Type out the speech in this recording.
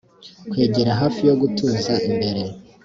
kwegera hafi yo gutuza imbere